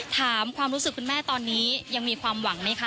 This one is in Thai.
ถามความรู้สึกคุณแม่ตอนนี้ยังมีความหวังไหมคะ